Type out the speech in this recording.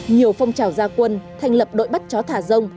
nhiều phong trào gia quân thành lập đội bắt chó thả rông